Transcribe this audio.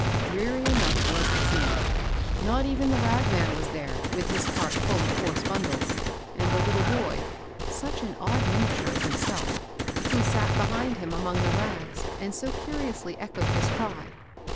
Dreary enough was the scene. Not even the ragman was there, with his cart foil of coarse bundles, and the little boy, such an odd miniature of himself, who sat be hind him among the rags and so curiously echoed his cry.